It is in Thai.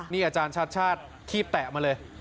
นี่อาจารย์ชาติชาติคีบแตะมาเลย